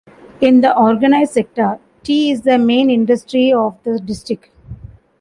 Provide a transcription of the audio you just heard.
In the organized sector, tea is the main industry of the district.